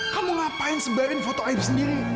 kamu ngapain sebagian foto aida sendiri